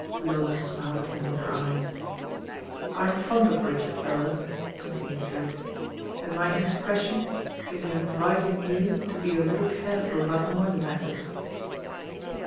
Lola smiled at him with her eyet. "I'm fond of Richard, Lola," continued Drewitt, "and my indiscretion is in advising you to be a little careful about money matters."